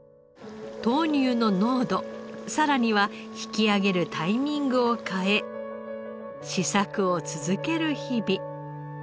豆乳の濃度さらには引き上げるタイミングを変え試作を続ける日々。